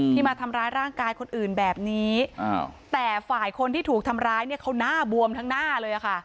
มาทำร้ายร่างกายคนอื่นแบบนี้แต่ฝ่ายคนที่ถูกทำร้ายเนี่ยเขาหน้าบวมทั้งหน้าเลยค่ะ